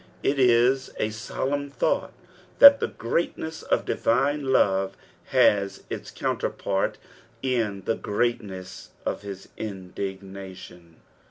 It is a solemn thon^ that the greatness of divine love has its counterpart in the greatness of Bis indignation.